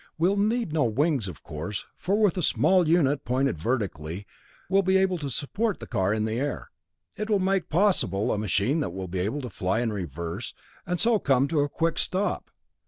We'll need no wings, of course, for with a small unit pointed vertically, we'll be able to support the car in the air. It will make possible a machine that will be able to fly in reverse and so come to a quick stop.